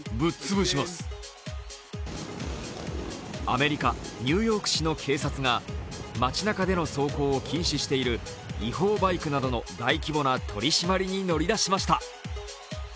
アメリカ・ニューヨーク市の警察が町なかでの走行を禁止している違法バイクなどの大規模な取り締まりに乗り出しました。